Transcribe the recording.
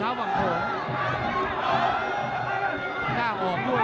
เผ่าฝั่งโขงหมดยก๒